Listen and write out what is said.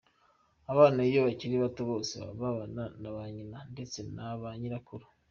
Abana iyo bakiri bato bose baba babana na ba nyina ndetse naba nyirakuru.